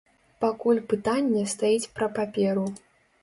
Пакуль пытанне стаіць пра паперу.